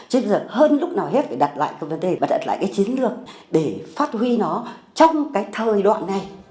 chứ bây giờ hơn lúc nào hết phải đặt lại công ty và đặt lại cái chiến lược để phát huy nó trong cái thời đoạn này